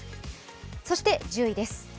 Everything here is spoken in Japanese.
そして１０位です。